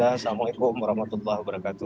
assalamualaikum warahmatullahi wabarakatuh